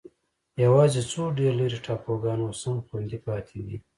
یوازې څو ډېر لرې ټاپوګان اوس هم خوندي پاتې دي.